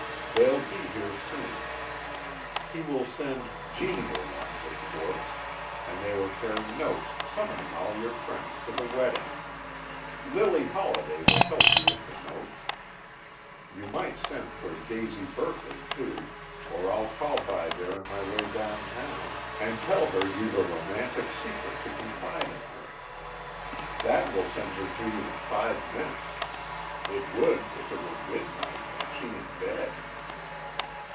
They'll be here soon. He will send 'genial' ones, of course, and they will carry notes summoning all your friends to the wedding. Lily Holliday will help you with the notes. You might send for Daisy Berkeley too, or I'll call by there on my way down town, and tell her you've a romantic secret to confide to her. That will send her to you in five minutes. It would if it were midnight and she in bed."